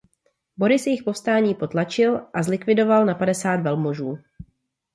Boris jejich povstání potlačil a zlikvidoval na padesát velmožů.